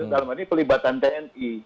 dalam hal ini pelibatan tni